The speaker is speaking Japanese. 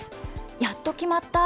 やっと決まったー！